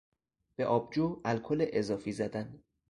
به آبجو الکل اضافی زدن